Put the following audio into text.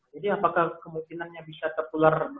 jadi apakah kemungkinannya bisa tertular